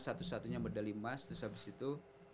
satu satunya medali emas terus habis itu